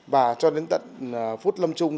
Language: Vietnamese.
và cho đến tận phút lâm trung